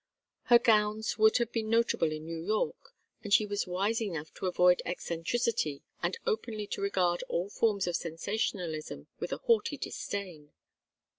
Her gowns would have been notable in New York, and she was wise enough to avoid eccentricity and openly to regard all forms of sensationalism with a haughty disdain.